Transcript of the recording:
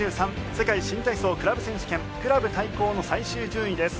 世界新体操クラブ選手権クラブ対抗の最終順位です。